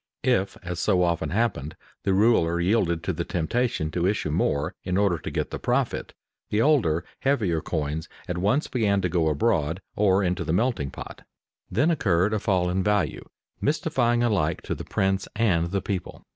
If, as so often happened, the ruler yielded to the temptation to issue more in order to get the profit, the older, heavier coins at once began to go abroad or into the melting pot. Then occurred a fall in value, mystifying alike to the prince and the people.